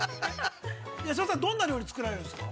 ◆八嶋さん、どんな料理を作られるんですか。